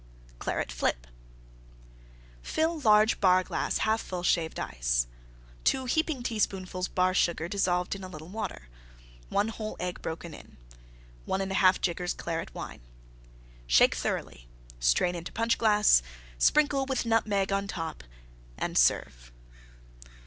CLARET FLIP Fill large Bar glass 1/2 full Shaved Ice. 2 heaping teaspoonfuls Bar Sugar dissolved in a little Water. 1 whole Egg broken in. 1 1/2 Jiggers Claret Wine. Shake thoroughly; strain into Punch glass; sprinkle with Nutmeg on top and serve.